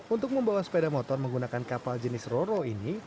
untuk membawa sepeda motor menggunakan kapal jenis roro ini